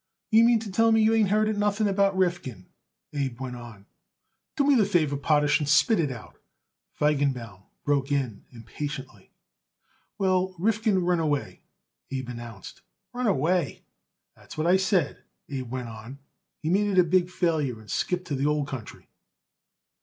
"You mean to tell me you ain't heard it nothing about Rifkin?" Abe went on. "Do me the favor, Potash, and spit it out," Feigenbaum broke in impatiently. "Well, Rifkin run away," Abe announced. "Run away!" "That's what I said," Abe went on. "He made it a big failure and skipped to the old country."